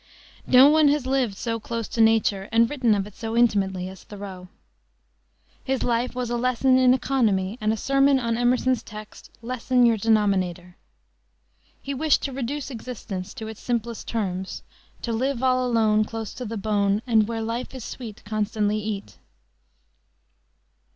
No one has lived so close to nature, and written of it so intimately, as Thoreau. His life was a lesson in economy and a sermon on Emerson's text, "Lessen your denominator." He wished to reduce existence to the simplest terms to "live all alone Close to the bone, And where life is sweet Constantly eat."